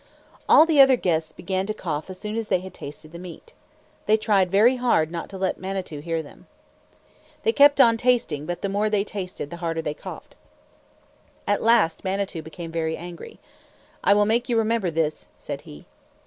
All the other guests began to cough as soon as they had tasted the meat. They tried very hard not to let Manitou hear them. They kept on tasting, but the more they tasted the harder they coughed. At last Manitou became very angry. "I will make you remember this," said he.